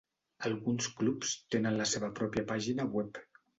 Alguns clubs tenen la seva pròpia pàgina web.